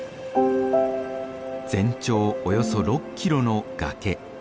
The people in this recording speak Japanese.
全長およそ６キロの崖。